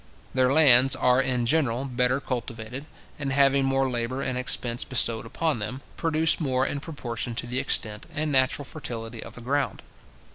Their lands are in general better cultivated, and having more labour and expense bestowed upon them, produce more in proportion to the extent and natural fertility of the ground.